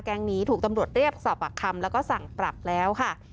นี้ถูกตำรวจเรียกสอบปากคำแล้วก็สั่งปรับแล้วค่ะ